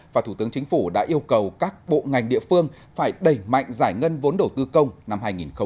và thủ tướng chính phủ đã yêu cầu các bộ ngành địa phương phải đẩy mạnh giải ngân vốn đầu tư công năm hai nghìn hai mươi